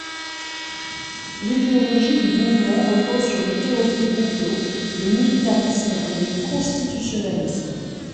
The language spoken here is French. L'idéologie du mouvement repose sur les théories du complot, le militarisme et le constitutionnalisme.